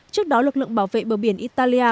trước đó lực lượng bảo vệ bờ biển italia